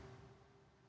di paling bawah